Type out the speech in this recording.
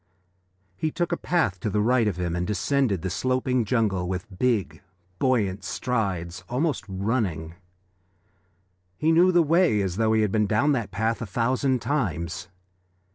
He took a path to the right of him and descended the sloping jungle with big, buoyant strides, almost running; he knew the way as though he had been down that path a thousand times.